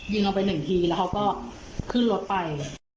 เอาไปหนึ่งทีแล้วเขาก็ขึ้นรถไป